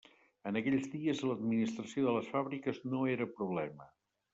En aquells dies l'administració de les fàbriques no era problema.